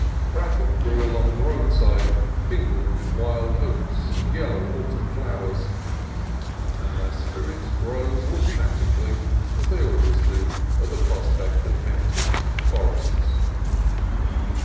Bracken grew along the roadside, mingled with wild oats and yellow autumn flowers; and my spirits rose automatically, as they always do, at the prospect of mountains and forests.